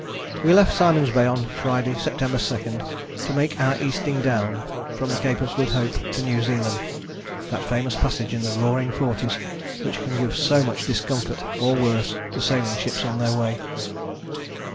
We left Simon's Bay on Friday, September 2, 'to make our Easting down' from the Cape of Good Hope to New Zealand, that famous passage in the Roaring Forties which can give so much discomfort or worse to sailing ships on their way.